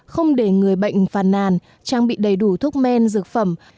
không để người bệnh phàn nàn trang bị đầy đủ thuốc men dược phẩm